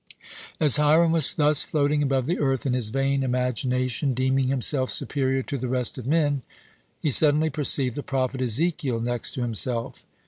As Hiram was thus floating above the earth, in his vain imagination deeming himself superior to the rest of men, he suddenly perceived the prophet Ezekiel next to himself.